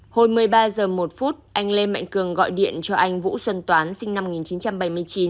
hồi một mươi ba h một anh lê mạnh cường gọi điện cho anh vũ xuân toán sinh năm một nghìn chín trăm bảy mươi chín